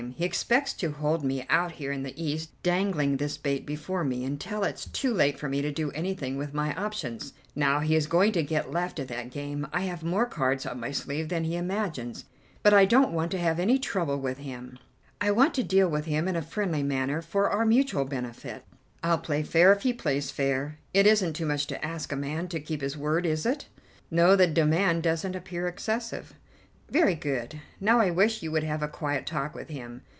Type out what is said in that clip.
He expects to hold me out here in the East, dangling this bait before me, until it is too late for me to do anything with my options. Now, he is going to get left at that game. I have more cards up my sleeve than he imagines, but I don't want to have any trouble with him: I want to deal with him in a friendly manner for our mutual benefit. I'll play fair if he plays fair. It isn't too much to ask a man to keep his word, is it!" "No, the demand doesn't appear excessive." "Very good. Now, I wish you would have a quiet talk with him.